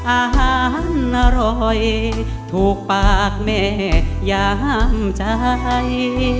อาหารอร่อยถูกปากแม่ยามใจ